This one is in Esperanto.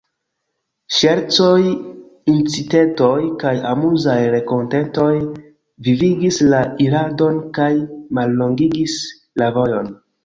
Ŝercoj, incitetoj kaj amuzaj rakontetoj vivigis la iradon kaj mallongigis la vojon.